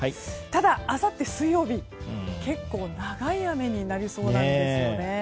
ただ、あさって水曜日結構、長い雨になりそうなんですよね。